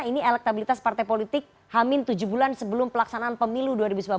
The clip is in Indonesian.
ini elektabilitas partai politik hamin tujuh bulan sebelum pelaksanaan pemilu dua ribu sembilan belas